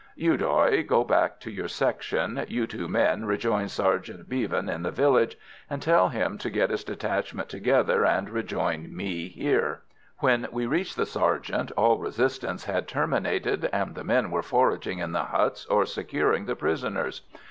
You, Doy, go back to your section. You two men rejoin Sergeant Bevan in the village, and tell him to get his detachment together and rejoin me here." When we reached the sergeant, all resistance had terminated, and the men were foraging in the huts or securing the prisoners.